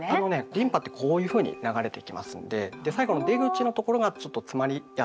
リンパってこういうふうに流れていきますんで最後の出口のところがちょっと詰まりやすいんですよね。